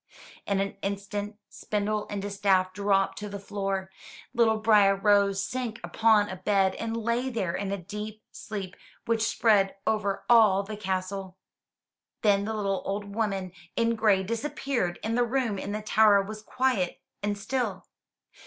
In an instant spindle and distaff dropped to the floor; little Briar rose sank upon a bed and lay there in a deep sleep which spread over all the castle. Then the little old woman in gray disappeared and the room in the tower was quiet and still.